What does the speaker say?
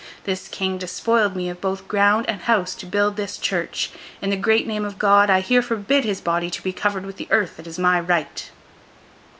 This King despoiled me of both ground and house to build this church. In the great name of God, I here forbid his body to be covered with the earth that is my right!